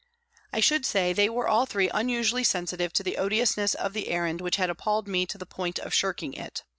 I should say they were all three unusually sensitive to the odiousness of the errand which had appalled me to the point of shirking it.